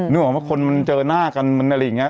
นึกออกว่าคนมันเจอหน้ากันมันอะไรอย่างนี้